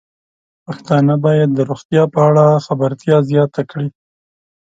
پښتانه بايد د روغتیا په اړه خبرتیا زياته کړي.